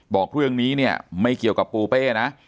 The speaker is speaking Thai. บอกเรื่องนี้เนี่ยไม่เกี่ยวกับปูเป้นะ